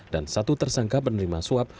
dan satu tersangka penerima suap